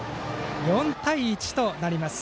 ４対１となります。